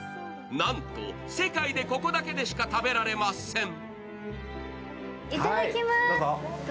なんと世界でここだけでしか食べられません。